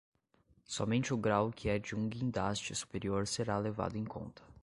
Somente o grau que é de um guindaste superior será levado em conta.